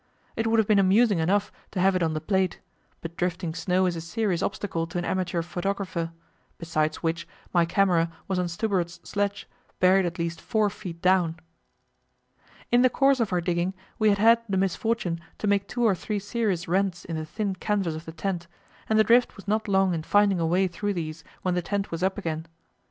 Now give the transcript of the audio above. It would have been amusing enough to have it on the plate; but drifting snow is a serious obstacle to an amateur photographer besides which, my camera was on Stubberud's sledge, buried at least four feet down. In the course of our digging we had had the misfortune to make two or three serious rents in the thin canvas of the tent, and the drift was not long in finding a way through these when the tent was up again.